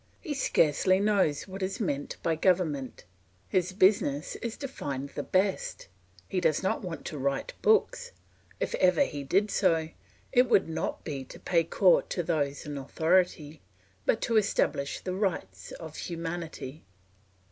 He scarcely knows what is meant by government; his business is to find the best; he does not want to write books; if ever he did so, it would not be to pay court to those in authority, but to establish the rights of humanity.